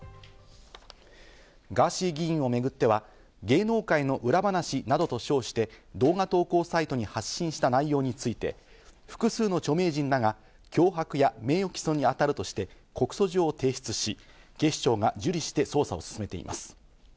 ガーシー議員をめぐっては芸能界の裏話などと称して、動画投稿サイトに発信した内容について、複数の著名人らが脅迫や名誉毀損に当たるとして告訴状を提出し、警視庁が受理して捜査を進めています。